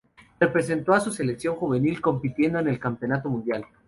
Representó a su selección juvenil, compitiendo en el Campeonato Mundial.